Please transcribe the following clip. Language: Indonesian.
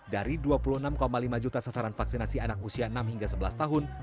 dari dua puluh enam lima juta sasaran vaksinasi anak usia enam hingga sebelas tahun